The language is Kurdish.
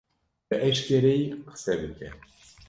Bi eşkereyî qise bike!